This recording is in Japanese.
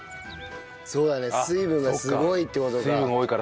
そうだね水分がすごいって事か。